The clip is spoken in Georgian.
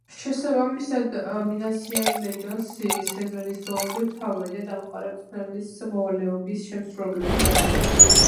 შესაბამისად, მინასიანი და ჯონსი სეზონის ბოლომდე მთავარი და დამხმარე მწვრთნელის მოვალეობის შემსრულებლები გახდნენ.